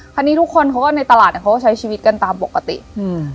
คราวนี้ทุกคนเขาก็ในตลาดเนี้ยเขาก็ใช้ชีวิตกันตามปกติอืม